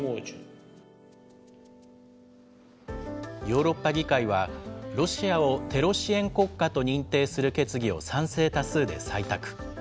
ヨーロッパ議会は、ロシアをテロ支援国家と認定する決議を賛成多数で採択。